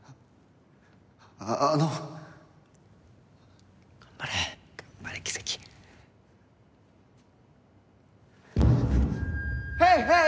ああの頑張れ頑張れキセキヘイヘイ！